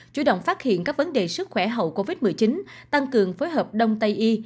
chủ động phát hiện các vấn đề sức khỏe hậu covid một mươi chín tăng cường phối hợp đông tây y